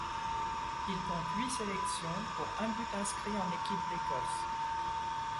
Il compte huit sélections pour un but inscrit en équipe d'Écosse.